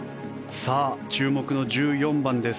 注目の１４番です。